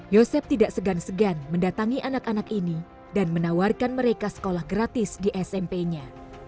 yosep tidak segan segan mendatangi anak anak ini dan menawarkan mereka sekolah gratis di smp nya